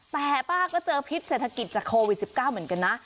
แต่ป้าก็เจอพิษเศรษฐกิจจากโควิด๑๙เหมือนกันนะ